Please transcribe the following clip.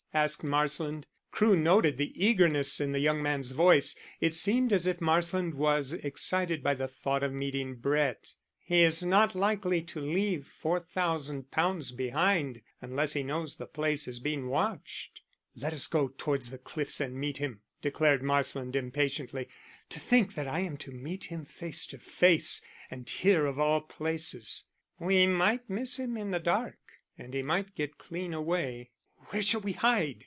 asked Marsland. Crewe noticed the eagerness in the young man's voice: it seemed as if Marsland was excited by the thought of meeting Brett. "He is not likely to leave £4,000 behind unless he knows the place is being watched." "Let us go towards the cliffs and meet him," declared Marsland impatiently. "To think that I am to meet him face to face, and here of all places." "We might miss him in the dark, and he might get clean away." "Where shall we hide?"